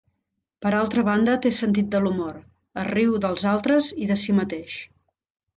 Per altra banda té sentit de l'humor, es riu dels altres i de si mateix.